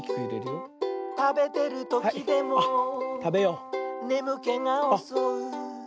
「たべてるときでもねむけがおそう」